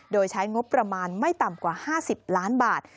โดยใช้งบประมาณไม่ต่ำกว่า๕๐ล้านบาท